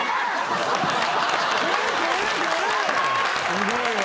すごいわ。